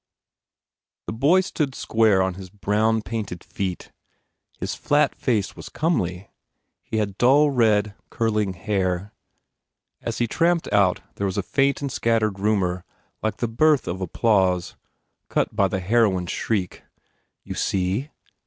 The boy stood square on his brown, painted feet. His flat face was comely. He had dull red, curling hair. As he tramped out there was a faint and scattered rumour like the birth of applause, cut by the heroine s shriek. "You see?"